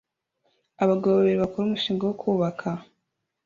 Abagabo babiri bakora umushinga wo kubaka